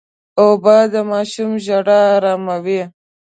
اوبه د ماشوم ژړا اراموي.